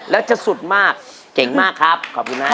แล้วจะสุดมากเก่งมากครับขอบคุณมาก